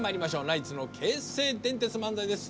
ナイツの京成電鉄漫才です